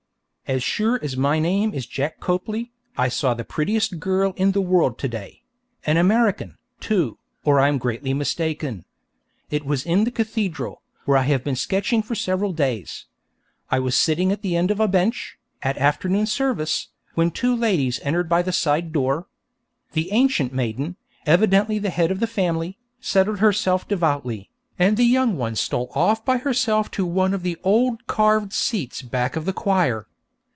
As sure as my name is Jack Copley, I saw the prettiest girl in the world to day an American, too, or I am greatly mistaken. It was in the cathedral, where I have been sketching for several days. I was sitting at the end of a bench, at afternoon service, when two ladies entered by the side door. The ancient maiden, evidently the head of the family, settled herself devoutly, and the young one stole off by herself to one of the old carved seats back of the choir.